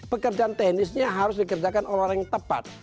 pekerjaan teknisnya harus dikerjakan oleh orang yang tepat